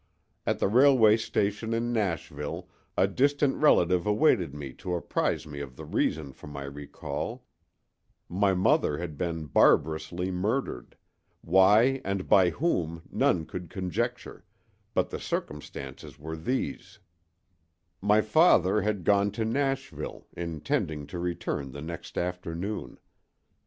At the railway station in Nashville a distant relative awaited me to apprise me of the reason for my recall: my mother had been barbarously murdered—why and by whom none could conjecture, but the circumstances were these: My father had gone to Nashville, intending to return the next afternoon.